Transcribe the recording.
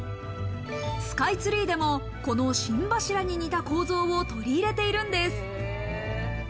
スカイツリーでもこの心柱に似た構造を取り入れているんです。